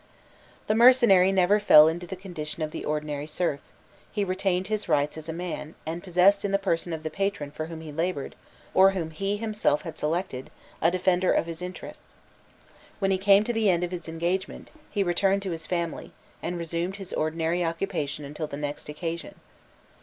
The mercenary never fell into the condition of the ordinary serf: he retained his rights as a man, and possessed in the person of the patron for whom he laboured, or whom he himself had selected, a defender of his interests. When he came to the end of his engagement, he returned to his family, and resumed his ordinary occupation until the next occasion.